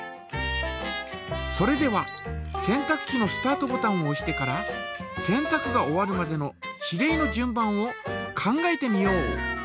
それでは洗濯機のスタートボタンをおしてから洗濯が終わるまでの指令の順番を考えてみよう。